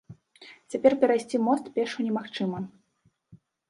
Цяпер перайсці мост пешшу немагчыма.